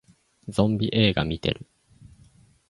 ゾンビ映画見てる